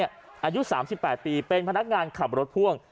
อายุ๓๘ปีเป็นพนักงานขับรถพ่วง